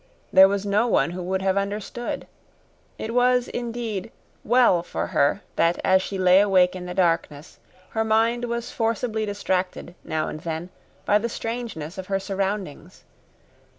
There was no one who would have understood. It was, indeed, well for her that as she lay awake in the darkness her mind was forcibly distracted, now and then, by the strangeness of her surroundings.